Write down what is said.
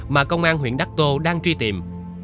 mà công an huyện đắc tô đang truy tìm